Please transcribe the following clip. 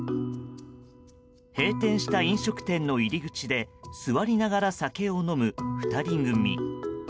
閉店した飲食店の入り口で座りながら酒を飲む２人組。